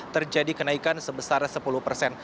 terjadi kenaikan sebesar sepuluh petugas jasa marga